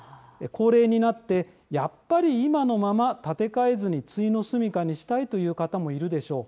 高齢になって、やっぱり今のまま建て替えずについの住みかにしたいという方もいるでしょう。